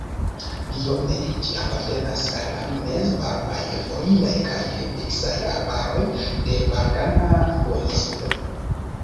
Biome ĝi apartenas al mezvarmaj foliaj kaj miksaj arbaroj de Balkana Duoninsulo.